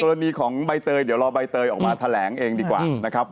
รณีของใบเตยเดี๋ยวรอใบเตยออกมาแถลงเองดีกว่านะครับ